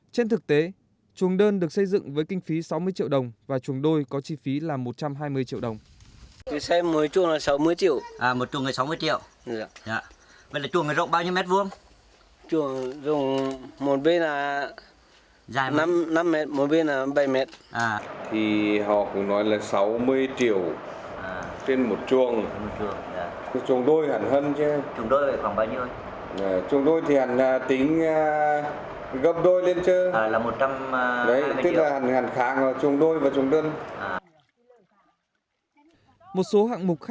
trên thực tế chuồng đơn được xây dựng với kinh phí sáu mươi triệu đồng và chuồng đôi có chi phí là một trăm hai mươi triệu đồng